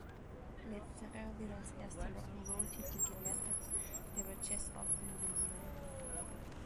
Letzterer wird als erster Rock’n’Roll-Titel gewertet, der bei Chess aufgenommen wurde.